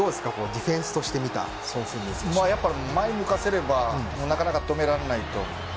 ディフェンスとして見た前を向かせればなかなか止められないと。